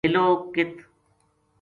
لیلو ک